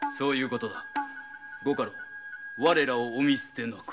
ご家老我らをお見捨てなく。